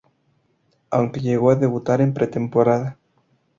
Aunque llegó a debutar en pretemporada.